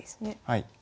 はい。